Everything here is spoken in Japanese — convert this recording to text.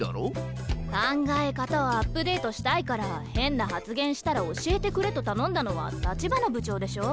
考え方をアップデートしたいから変な発言したら教えてくれと頼んだのは橘部長でしょう。